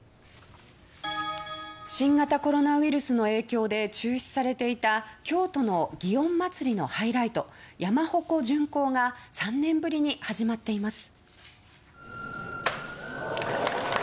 新型コロナウイルスの影響で中止されていた京都の祇園祭のハイライト山鉾巡行が３年ぶりに始まっています。